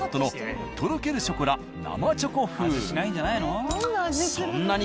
味しないんじゃないの？